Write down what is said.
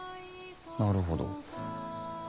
なるほど。